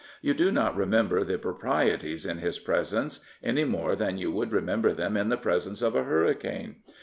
You do not remember the proprieties in his presence, any more than you would remember them in the presence of a hurricane.